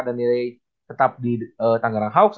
danny ray tetap di tanggarang hawks